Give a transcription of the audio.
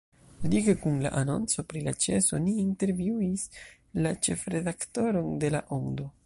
Lige kun la anonco pri la ĉeso ni intervjuis la ĉefredaktoron de La Ondo.